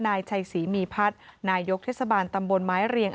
นายชัยศรีมีพัฒน์นายกเทศบาลตำบลไม้เรียง